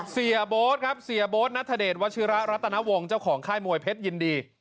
เสียโบ๊ทครับเสียโบ๊ทนัทเดชวัชิระรัตนวงเจ้าของค่ายมวยเพชรยินดี